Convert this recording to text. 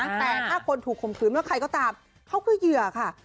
แต่ถ้าคนถูกข่มขืนเมื่อใครก็ตามเขาคือเหยื่อค่ะ